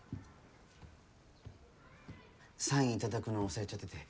サイン頂くの忘れちゃってて。